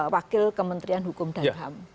wakil kementerian hukum dan ham